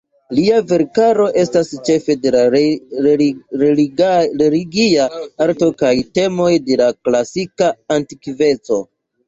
Lia verkaro estas ĉefe de religia arto kaj temoj de la klasika antikveco.